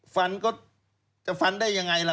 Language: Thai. ฟันก็จะฟันได้ยังไงล่ะ